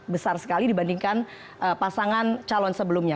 besar sekali dibandingkan pasangan calon sebelumnya